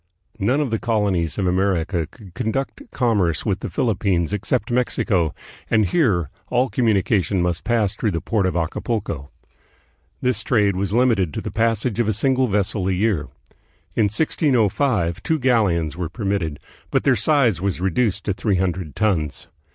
None of the colonies of America could conduct commerce with the Philippines except Mexico, and here all communica tion must pass through the port of Acapulco. This trade was limited to the passage of a single vessel a year. In 1605 two galleons were permitted, but their size was reduced to three hundred tons.